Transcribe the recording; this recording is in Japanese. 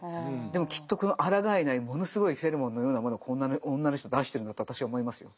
でもきっとこのあらがえないものすごいフェロモンのようなものを女の人出してるんだと私は思いますよ。